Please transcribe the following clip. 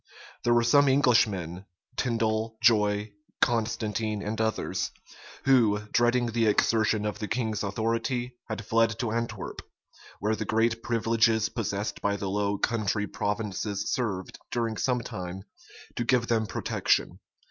There were some Englishmen, Tindal, Joye, Constantine, and others, who, dreading the exertion of the king's authority had fled to Antwerp;[*] where the great privileges possessed by the Low Country provinces served, during some time, to give them protection.